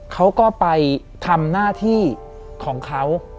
เขาก็ไปทำหน้าที่ของเขา